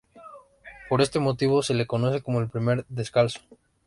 Por este motivo, se le conoce como el "primer descalzo".